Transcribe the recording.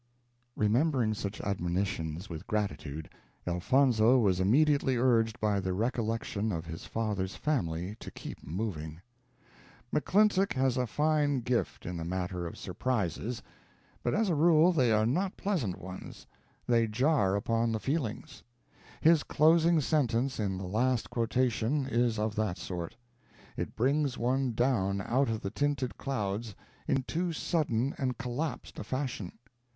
Remembering such admonitions with gratitude, Elfonzo was immediately urged by the recollection of his father's family to keep moving. McClintock has a fine gift in the matter of surprises; but as a rule they are not pleasant ones, they jar upon the feelings. His closing sentence in the last quotation is of that sort. It brings one down out of the tinted clouds in too sudden and collapsed a fashion.